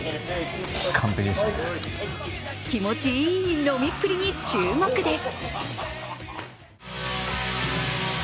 気持ちいい飲みっぷりに注目です。